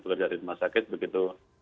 bekerja di rumah sakit begitu